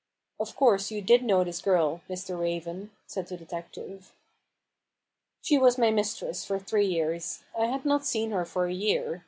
" Of course you did know this girl, Mr. Raven," said the detective. " She was my mistress for three years. I had not seen her for a year.